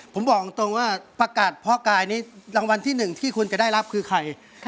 ผมบอกตรงว่าประกาศพ่อกายนี้รางวัลที่๑ที่คุณจะได้รับคือใคร